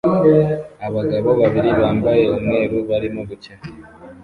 Abagabo babiri bambaye umweru barimo gukina